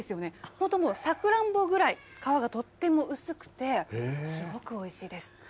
本当もう、さくらんぼぐらい、皮がとっても薄くて、すごくおいしいです。